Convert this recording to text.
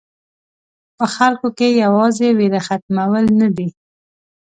په خلکو کې یوازې وېره ختمول نه دي.